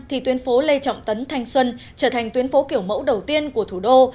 thì tuyến phố lê trọng tấn thanh xuân trở thành tuyến phố kiểu mẫu đầu tiên của thủ đô